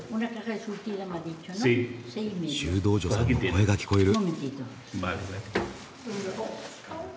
修道女さんの声が聞こえる。